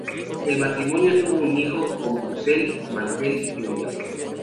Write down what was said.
El matrimonio tuvo un hijo, Bruce Mantell Jr.